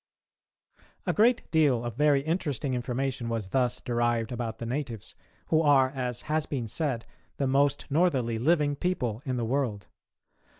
A great deal of very interesting information was thus derived about the natives, who are, as has been said, the most northerly living people in the world.